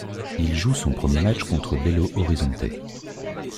Il joue son premier match contre Belo Horizonte.